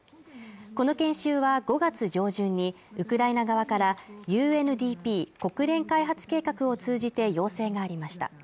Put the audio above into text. この研修は５月上旬にウクライナ側からＵＮＤＰ＝国連開発計画を通じて要請がありました。